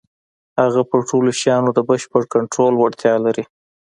هغه پر ټولو شيانو د بشپړ کنټرول وړتيا لري.